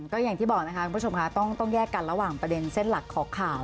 ก็อย่างที่บอกนะคะคุณผู้ชมค่ะต้องแยกกันระหว่างประเด็นเส้นหลักของข่าว